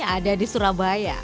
ada di surabaya